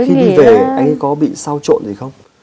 khi đi về anh ấy có bị sao trộn gì không